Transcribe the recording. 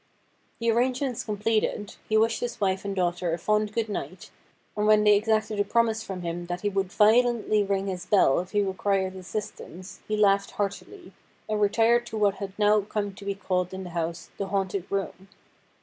The arrangements completed, he wished his wife and daughter a fond good night, and when they exacted a promise from him that he would violently ring his bell if he required assistance, he laughed heartily, and retired to what had now come to be called in the house ' the haunted room.'